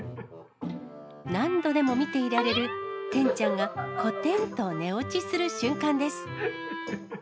何度でも見ていられる、てんちゃんが、こてんと寝落ちする瞬間です。